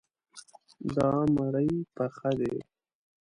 دا مړی پخه دی.